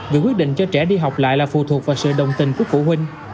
vì quyết định cho trẻ đi học lại là phù thuộc vào sự đồng tình của phụ huynh